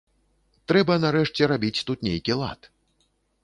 Трэба нарэшце рабіць тут нейкі лад.